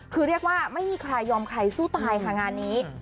คือเรียกว่าไม่มีใครยอมใครสู้ตายค่ะงานนี้